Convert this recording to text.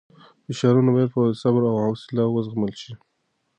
فشارونه باید په صبر او حوصله وزغمل شي.